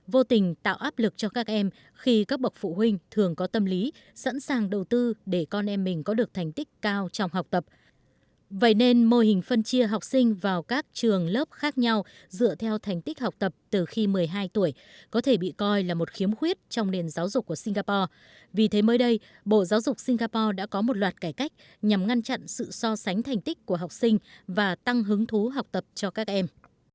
vì thế mới đây bộ giáo dục singapore đã có một loạt cải cách nhằm ngăn chặn sự so sánh thành tích của học sinh và tăng hứng thú học tập cho các em